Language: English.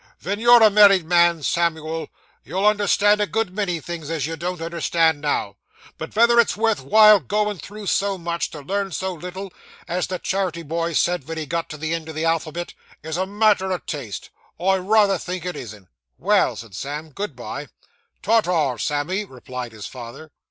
Ven you're a married man, Samivel, you'll understand a good many things as you don't understand now; but vether it's worth while goin' through so much, to learn so little, as the charity boy said ven he got to the end of the alphabet, is a matter o' taste. I rayther think it isn't.' Well,' said Sam, 'good bye.' 'Tar, tar, Sammy,' replied his father.